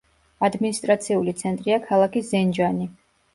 ადმინისტრაციული ცენტრია ქალაქი ზენჯანი.